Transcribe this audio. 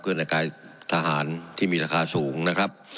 เครื่องแต่งกายทหารที่มีราคาสูงนะครับ